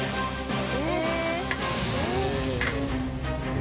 え！